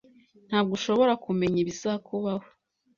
Ntabwo ushobora kumenya ibizakubaho